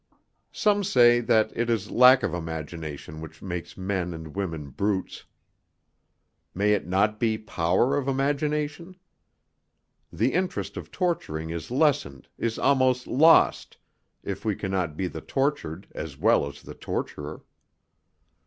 Some say that it is lack of imagination which makes men and women brutes. May it not be power of imagination? The interest of torturing is lessened, is almost lost, if we can not be the tortured as well as the torturer.